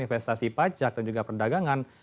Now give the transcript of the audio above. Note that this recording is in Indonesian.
investasi pajak dan juga perdagangan